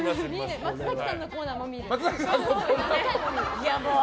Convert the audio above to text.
松崎さんのコーナーも見る。